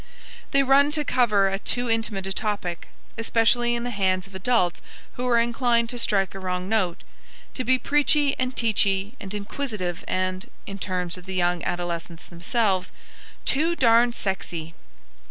They run to cover at too intimate a topic, especially in the hands of adults who are inclined to strike a wrong note; to be preachy and teachy and inquisitive and, in terms of the young adolescents themselves, "too darn sexy!"